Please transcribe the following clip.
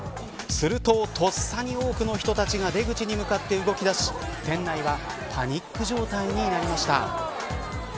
すると、とっさに多くの人たちが出口に向かって動き出し店内はパニック状態になりました。